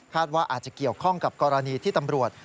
ว่าอาจจะเกี่ยวข้องกับกรณีที่ตำรวจ